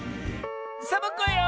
サボ子よ！